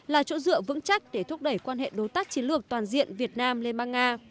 là chỗ dựa vững chắc để thúc đẩy quan hệ đối tác chiến lược toàn diện việt nam liên bang nga